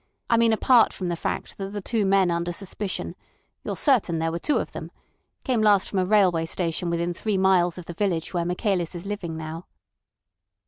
I mean apart from the fact that the two men under suspicion—you're certain there were two of them—came last from a railway station within three miles of the village where Michaelis is living now."